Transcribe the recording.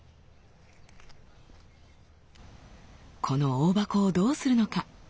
このオオバコをどうするのか。